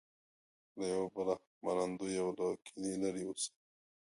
له یو بله منندوی او له کینې لرې اوسي.